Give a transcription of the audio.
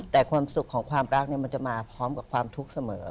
แต่ความสุขของความรักมันจะมาพร้อมกับความทุกข์เสมอ